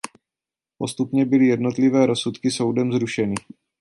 Postupně byly jednotlivé rozsudky soudem zrušeny.